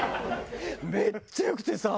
めっちゃ良くてさ！